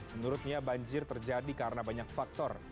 menurutnya banjir terjadi karena banyak faktor